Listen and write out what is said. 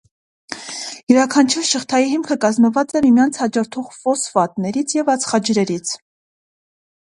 Յուրաքանչյուր շղթայի հիմքը կազմված է միմյանց հաջորդող ֆոսֆատներից և ածխաջրերից։